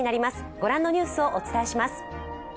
ご覧のニュースをお伝えします。